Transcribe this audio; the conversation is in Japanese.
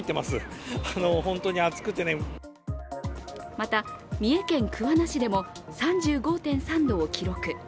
また、三重県桑名市でも３５．３度を記録。